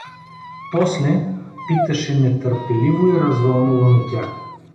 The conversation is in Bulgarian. — После? — питаше нетърпеливо и развълнувано тя.